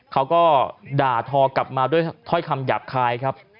เขาก็ด่าทอกลับมาด้วยถ้อยคำหยาบคายครับ